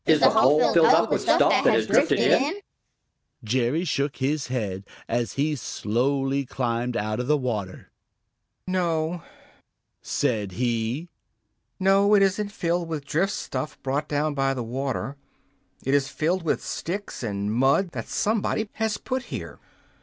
"Is the hole filled up with stuff that has drifted in?" Jerry shook his head, as he slowly climbed out of the water. "No," said he. "No, it isn't filled with drift stuff brought down by the water. It is filled with sticks and mud that somebody has put there.